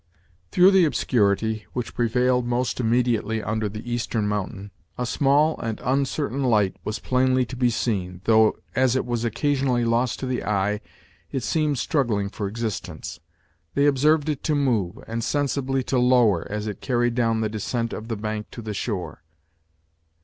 Through the obscurity, which prevailed most immediately under the eastern mountain, a small and uncertain light was plainly to be seen, though, as it was occasionally lost to the eye, it seemed struggling for existence. They observed it to move, and sensibly to lower, as it carried down the descent of the bank to the shore.